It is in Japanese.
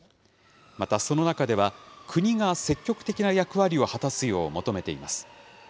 また、その中では、国が積極的な役割を果たすよう求めています。